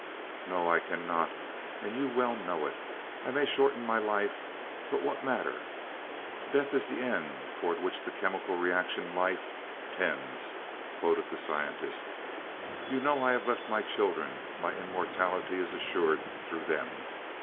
"No, I cannot, and you well know it. I may shorten my life, but what matter. 'Death is the end toward which the chemical reaction, Life, tends,'" quoted the scientist. "You know I have left my children my immortality is assured through them.